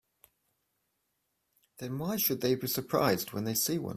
Then why should they be surprised when they see one?